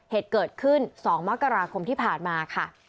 เหตุเกิดขึ้น๒มกราคมที่ผ่านมาค่ะ